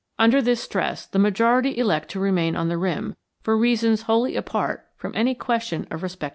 Under this stress the majority elect to remain on the rim for reasons wholly apart from any question of respective merit.